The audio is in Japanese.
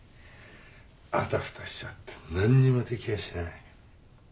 あたふたしちゃって何にもできやしない。